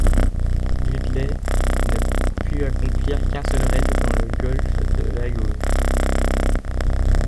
Dudley ne put accomplir qu'un seul raid, dans le golfe de Lagos.